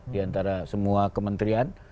diantara semua kementerian